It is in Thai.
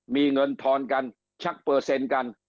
มีเงินทอนกันชักเปอร์เซ็นต์กัน